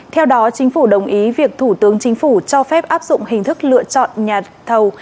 theo đó chính phủ đồng ý việc thủ tướng chính phủ cho phép áp dụng hình thức lựa chọn nhà thầu